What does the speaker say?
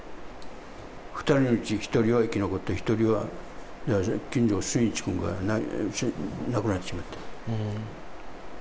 ２人のうち１人は生き残って、１人は、金城俊一君が亡くなってしまった。